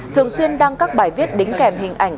thường xuyên đăng các bài viết đính kèm hình ảnh